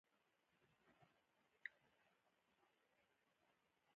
دى په قهر شو حم احمقه بيا دسې ونکې.